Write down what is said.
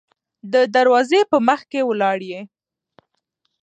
د دروازې په مخکې ولاړ يې.